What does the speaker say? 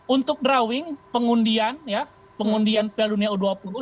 untuk drawing pengundian ya pengundian pldu dua puluh yang harusnya tanggal tiga maret